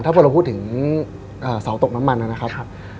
ถ้าพอเราพูดถึงเสาตกน้ำมันนะครับ